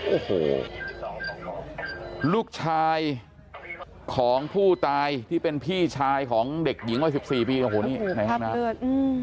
โอ้โหลูกชายของผู้ตายที่เป็นพี่ชายของเด็กหญิงว่า๑๔ปีนะครับ